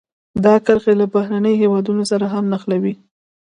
دا کرښې له بهرنیو هېوادونو سره هم نښلوي.